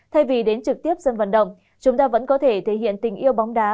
thay vì đến trực tiếp dân vận động chúng ta vẫn có thể thể hiện tình yêu bóng đá